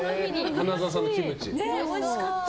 花澤さんのキムチ。